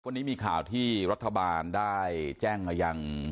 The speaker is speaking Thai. วันนี้มีข่าวที่รัฐบาลได้แจ้งมายัง